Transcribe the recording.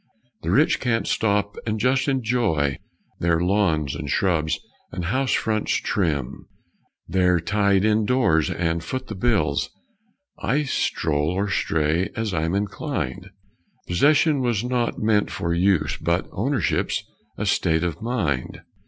The rich can't stop and just enjoy Their lawns and shrubs and house fronts trim. They're tied indoors and foot the bills; I stroll or stray, as I'm inclined Possession was not meant for use, But ownership's a state of mind.